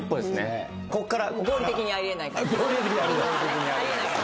こっから。